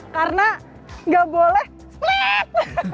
karena gak boleh split